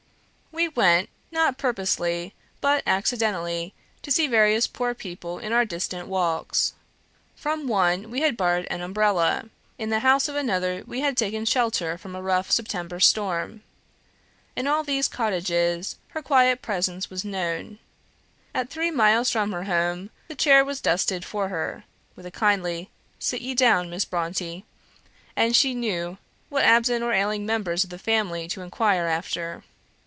We went, not purposely, but accidentally, to see various poor people in our distant walks. From one we had borrowed an umbrella; in the house of another we had taken shelter from a rough September storm. In all these cottages, her quiet presence was known. At three miles from her home, the chair was dusted for her, with a kindly "Sit ye down, Miss Brontë;" and she knew what absent or ailing members of the family to inquire after.